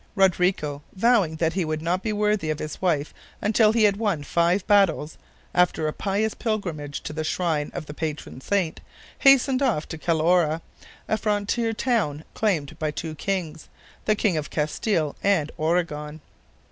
Rodrigo, vowing that he would not be worthy of his wife until he had won five battles, after a pious pilgrimage to the shrine of the patron saint, hastened off to Calahorra, a frontier town claimed by two kings the kings of Castile and Oregon.